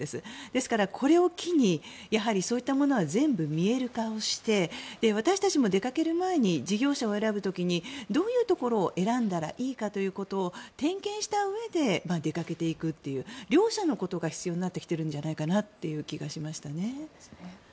ですから、これを機にそういったものは全部見える化をして私たちも出かける前に事業者を選ぶ時にどういうところを選んだらいいかというところを点検したうえで出かけていくという両者のことが必要になってきてるんじゃないかなという気がしますね。